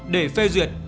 để phê duyệt